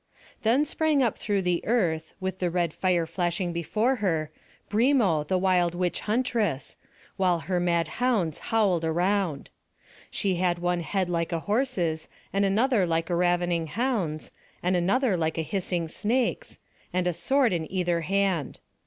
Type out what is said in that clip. Then sprang up through the earth, with the red fire flashing before her, Brimo the wild witch huntress, while her mad hounds howled around. She had one head like a horse's, and another like a ravening hound's, and another like a hissing snake's, and a sword in either hand.